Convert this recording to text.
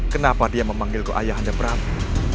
kenapa dia memanggilku ayah anda prabu